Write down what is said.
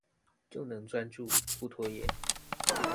就能專注、不拖延